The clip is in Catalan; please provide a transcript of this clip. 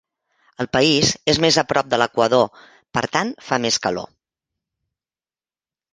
El país és més a prop de l'equador, per tant fa més calor.